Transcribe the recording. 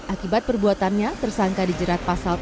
akibat perbuatannya tersangka dijadikan penyakit